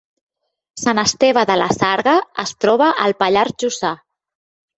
Sant Esteve de la Sarga es troba al Pallars Jussà